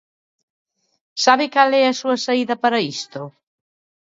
¿Sabe cal é a súa saída para isto?